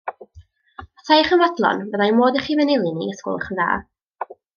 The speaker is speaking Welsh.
Petaech yn fodlon, fyddai modd i chi fy nilyn i, os gwelwch yn dda?